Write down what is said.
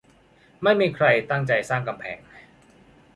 ไม่มีใครตั้งใจสร้างกำแพง